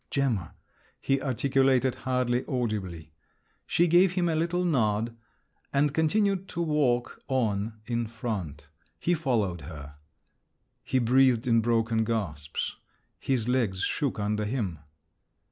"Gemma," he articulated, hardly audibly. She gave him a little nod, and continued to walk on in front. He followed her. He breathed in broken gasps. His legs shook under him.